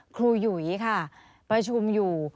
หยุยค่ะประชุมอยู่